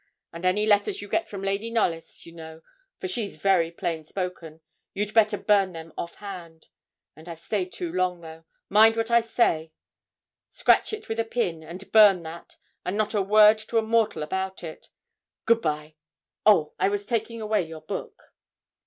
And any letters you get from Lady Knollys, you know, for she's very plain spoken, you'd better burn them off hand. And I've stayed too long, though; mind what I say, scratch it with a pin, and burn that, and not a word to a mortal about it. Good bye; oh, I was taking away your book.'